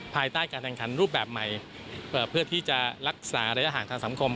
ภายใต้การแข่งขันรูปแบบใหม่เพื่อที่จะรักษาระยะห่างทางสังคม